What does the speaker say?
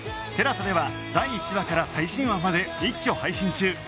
ＴＥＬＡＳＡ では第１話から最新話まで一挙配信中